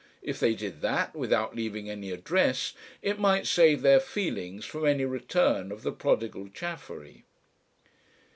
If they did that without leaving any address it might save their feelings from any return of the prodigal Chaffery.